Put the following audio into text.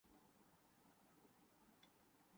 وہ روحانیت جو ایک پراسرار دنیا ہے۔